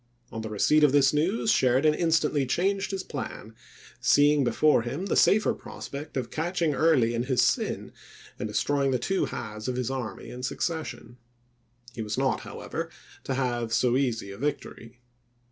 On the receipt of this news Sheridan instantly changed his plan, seeing before him the safer prospect of catching Early in his sin and destroying the two halves of his army in succession. He was not, however, to have so easy a victory.